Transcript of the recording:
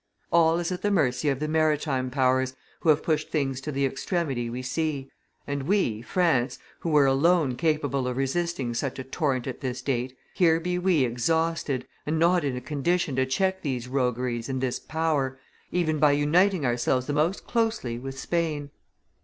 All is at the mercy of the maritime powers, who have pushed things to the extremity we see; and we, France, who were alone capable of resisting such a torrent at this date here be we exhausted, and not in a condition to check these rogueries and this power, even by uniting ourselves the most closely with Spain.